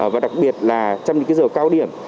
và đặc biệt là trong những giờ cao điểm